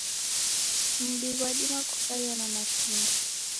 Mdi ghwadima kukaia na matunda.